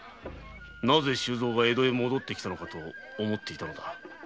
なぜ周蔵が江戸へ戻ってきたのかと思っていたのだ。